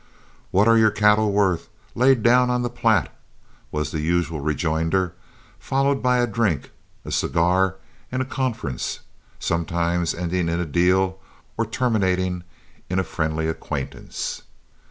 "What are your cattle worth laid down on the Platte?" was the usual rejoinder, followed by a drink, a cigar, and a conference, sometimes ending in a deal or terminating in a friendly acquaintance.